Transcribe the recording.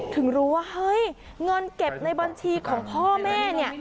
ถึงรู้ว่าเงินเก็บในบัญชีของพ่อแม่